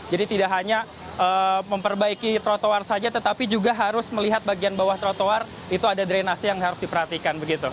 jadi tidak hanya memperbaiki trotoar saja tetapi juga harus melihat bagian bawah trotoar itu ada drenasi yang harus diperhatikan begitu